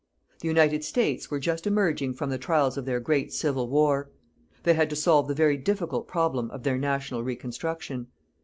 The United States were just emerging from the trials of their great Civil War. They had to solve the very difficult problem of their national reconstruction.